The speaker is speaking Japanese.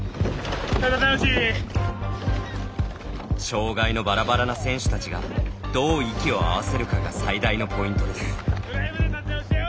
障がいのばらばらな選手たちがどう息を合わせるかが最大のポイントです。